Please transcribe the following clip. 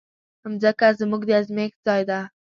مځکه زموږ د ازمېښت ځای ده.